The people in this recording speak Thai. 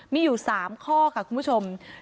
มีอยู่๓ข้อค่ะคุณผู้ชม